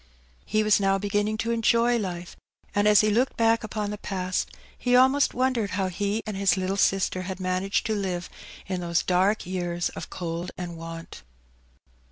He was now beginning to enjoy life^ and as he looked back upon the past he almost wondered how he and his little sister had managed to live in tho^e dark years of cold and want.